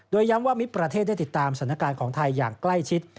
โดยย้ำว่ามิตรประเทศได้ติดตามสถานการณ์ของไทยอย่างใกล้ชิด